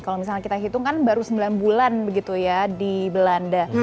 kalau misalnya kita hitung kan baru sembilan bulan begitu ya di belanda